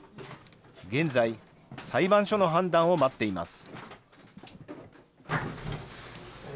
現在、裁判所の判断を待っています。